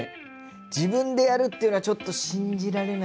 自分でやるっていうのはちょっと信じられないんですよね。